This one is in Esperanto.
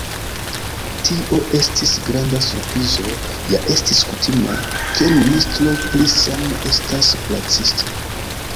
Tio estis granda surprizo, ja estis kutimo, ke ministro pri sano estas kuracisto.